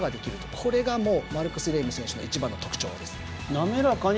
これがマルクス・レーム選手の特徴です。